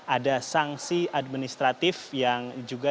ada sanksi administratif yang juga bisa dikeluarkan